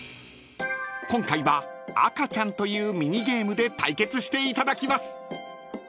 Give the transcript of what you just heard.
［今回は赤ちゃんというミニゲームで対決していただきます］